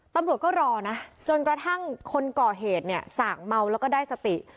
ตำรวจก็รอนะจนกระทั่งคนก่อเหตุเนี่ยส่างเมาแล้วก็ได้สติ